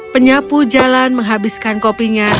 penyapu jalan menghabiskan kopinya